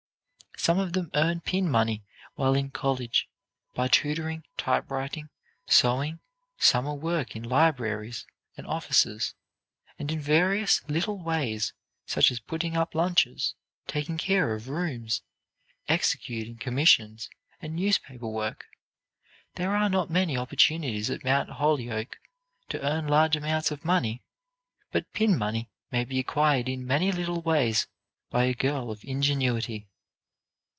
Some of them earn pin money while in college by tutoring, typewriting, sewing, summer work in libraries and offices, and in various little ways such as putting up lunches, taking care of rooms, executing commissions, and newspaper work. There are not many opportunities at Mount Holyoke to earn large amounts of money, but pin money may be acquired in many little ways by a girl of ingenuity."